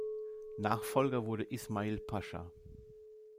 Nachfolger wurde Ismail Pascha.